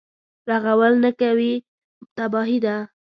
رغول نه کوي تباهي ده.